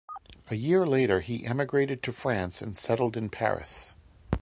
A year later, he emigrated to France and settled in Paris.